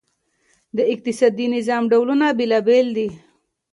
د اقتصادي نظام ډولونه بېلابیل دي.